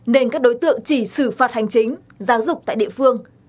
nên các đối tượng chỉ xử phạt hành chính giáo dục tại địa phương